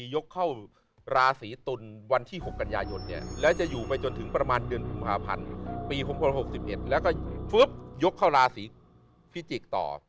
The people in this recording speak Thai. ยกเข้าราศรีฟิจิกต่อ